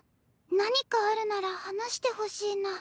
何かあるなら話してほしいな。